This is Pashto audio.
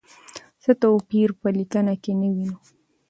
څه توپیر په لیکنه کې نه وینو؟